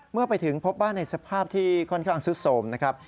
เมื่อไปถึงพบว่าในสภาพที่ค่อนข้างซุดโสมนะครับ